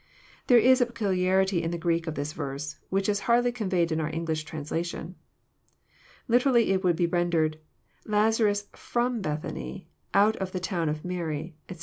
There is a peculiarity in the Greek of this verse, which is hardly conveyed in our English translation. Literally it would be rendered, "Lazarus /row Bethany, oiU of the town of Mary," etc.